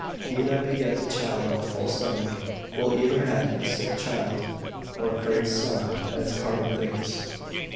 He that begets a child on a full stomach, will either have a sick child, or a crazed son (as Cardan thinks), contradict.